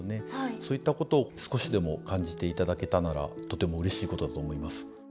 そういったことを少しでも感じていただけたならとてもうれしいことだと思います。